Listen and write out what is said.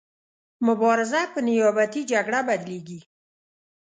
مبارزه په نیابتي جګړه بدلیږي.